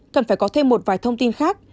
cần phải có thêm một vài thông tin khác